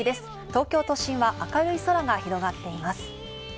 東京都心は明るい空が広がっています。